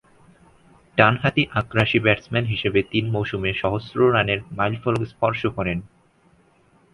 ডানহাতি আগ্রাসী ব্যাটসম্যান হিসেবে তিন মৌসুমে সহস্র রানের মাইলফলক স্পর্শ করেন।